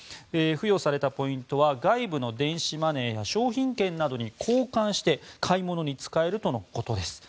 付与されたポイントは外部の電子マネーや商品券などに交換して買い物に使えるとのことです。